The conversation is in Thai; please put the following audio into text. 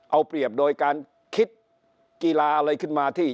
เอาเปรียบโดยการคิดกีฬาอะไรขึ้นมาที่